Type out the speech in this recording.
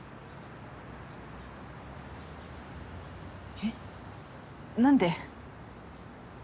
えっ何で？